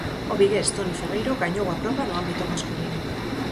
O vigués Toni Ferreiro gañou a proba no ámbito masculino.